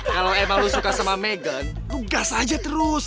kalau emang lu suka sama megan lu gas aja terus